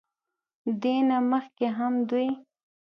دې نه مخکښې هم دوي